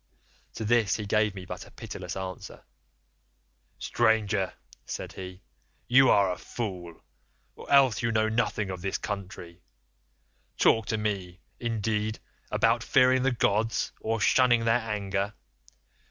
"To this he gave me but a pitiless answer, 'Stranger,' said he, 'you are a fool, or else you know nothing of this country. Talk to me, indeed, about fearing the gods or shunning their anger?